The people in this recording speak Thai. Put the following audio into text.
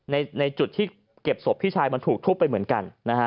ในจุดที่เก็บศพพี่ชายมันถูกทุบไปเหมือนกันนะฮะ